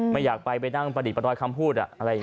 ไม่อยากไปนั่งประดิษฐ์ประตอยคำพูด